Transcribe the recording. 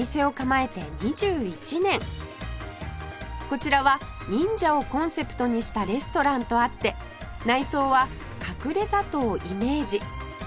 こちらは忍者をコンセプトにしたレストランとあって内装は隠れ里をイメージ